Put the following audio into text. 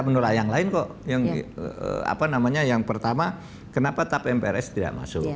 menolak yang lain kok yang apa namanya yang pertama kenapa tap mprs tidak masuk